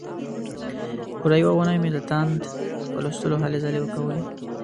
پوره یوه اونۍ مې د تاند په لوستلو هلې ځلې کولې.